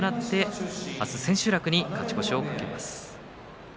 明日、千秋楽に勝ち越しを懸けます。